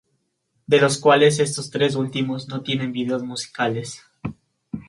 De los cuales estos tres últimos no tienen videos musicales.